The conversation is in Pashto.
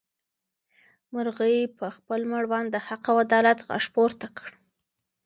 مرغۍ په خپل مړوند د حق او عدالت غږ پورته کړ.